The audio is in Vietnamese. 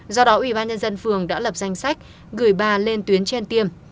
do đó ủy ban nhân dân phường đã lập danh sách gửi bà lên tuyến trên tiêm